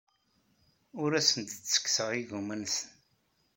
Ur asen-d-ttekkseɣ igumma-nsen.